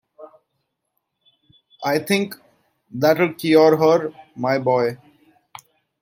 I think that will cure her, my boy.